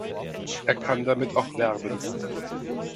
Er kann damit auch werben.